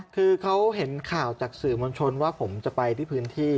คือเขาเห็นข่าวจากสื่อมวลชนว่าผมจะไปที่พื้นที่